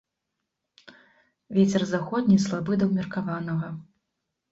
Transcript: Вецер заходні слабы да ўмеркаванага.